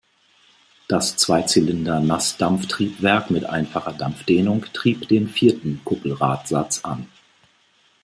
Das Zweizylinder-Nassdampftriebwerk mit einfacher Dampfdehnung trieb den vierten Kuppelradsatz an.